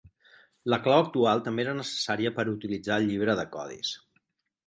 La clau actual també era necessària per utilitzar el llibre de codis.